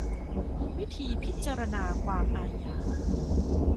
วิธีพิจารณาความอาญา